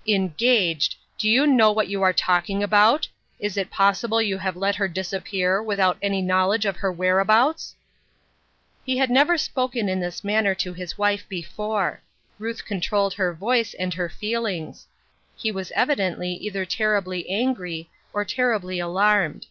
" Engaged ! Do you know what you are talking about ? Is it possible you have let her disappear, without any knowledge of her whereabouts ?" He had never spoken in this manner to his wife before ; Ruth controlled her voice, and her feel ings ; he was evidently either terribly angry, or terribly alarmed.